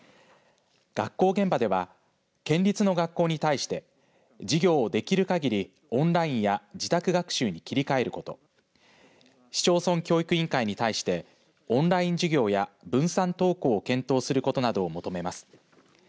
学校現場では県立の学校に対して授業をできるかぎりオンラインや自宅学習に切り替えること市町村教育委員会に対してオンライン授業や分散登校を検討することなどを求めます。